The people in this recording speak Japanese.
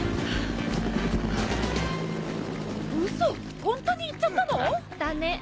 ウソホントに行っちゃったの？だね。